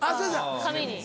紙に。